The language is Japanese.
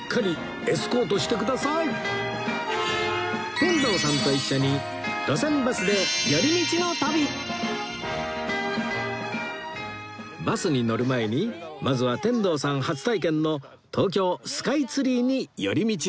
天童さんと一緒にバスに乗る前にまずは天童さん初体験の東京スカイツリーに寄り道です